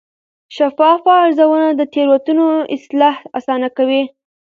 شفافه ارزونه د تېروتنو اصلاح اسانه کوي.